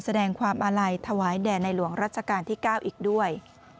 แสดงความอาลัยถวายแด่ในหลวงรัชกาลที่๙อีกด้วย